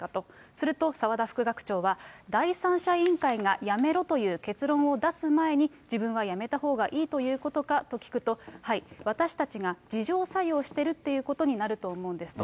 すると、澤田副学長が、第三者委員会が辞めろという結論を出す前に、自分は辞めたほうがいいということかと聞くと、はい、私たちが自浄作用してるっていうことになると思うんですと。